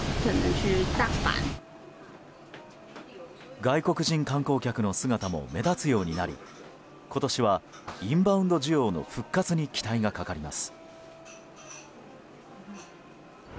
外国人観光客の姿も目立つようになり今年はインバウンド需要の復活に期待がかかります。